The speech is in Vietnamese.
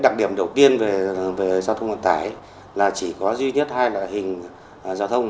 đặc điểm đầu tiên về giao thông vận tải là chỉ có duy nhất hai loại hình giao thông